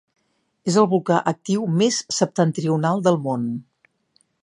És el volcà actiu més septentrional del món.